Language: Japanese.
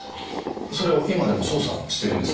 それを今でも捜査してるんですか？